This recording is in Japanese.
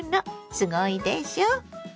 すごいでしょ。